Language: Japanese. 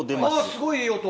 すごいいい音。